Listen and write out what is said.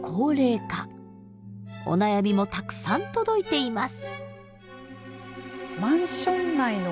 お悩みもたくさん届いています。